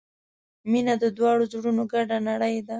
• مینه د دواړو زړونو ګډه نړۍ ده.